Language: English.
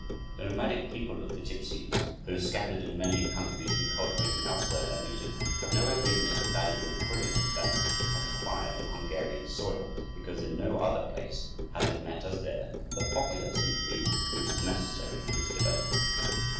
"The nomadic people of the gipsies, though scattered in many countries, and cultivating elsewhere their music, have nowhere given it a value equivalent to that which it has acquired on Hungarian soil; because in no other place has it met, as there, the popular sympathy which was necessary to its development.